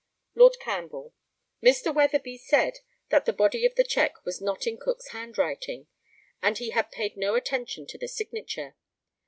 Lord CAMPBELL: Mr. Weatherby said that the body of the cheque was not in Cook's handwriting, and he had paid no attention to the signature.